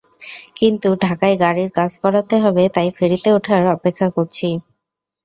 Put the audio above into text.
কিন্তু ঢাকায় গাড়ির কাজ করাতে হবে তাই ফেরিতে ওঠার অপেক্ষা করছি।